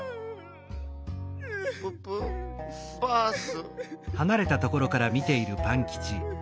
ププバース。